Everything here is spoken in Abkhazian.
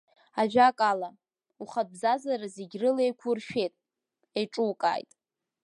Ажәакала, ухатә бзазара зегь рыла еиқәуршәеит, еиҿукааит.